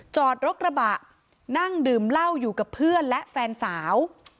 จอดรถกระบะนั่งดื่มเหล้าอยู่กับเพื่อนและแฟนสาว